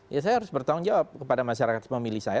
ya saya harus bertanggung jawab kepada masyarakat pemilih saya